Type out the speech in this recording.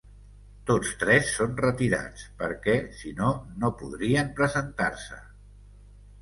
Tots tres són retirats, perquè si no no podrien presentar-se.